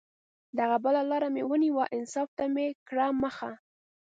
دغه بله لار مې ونیوه، انصاف ته مې کړه مخه